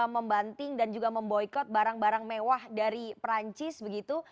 membanting dan juga memboykot barang barang mewah dari perancis begitu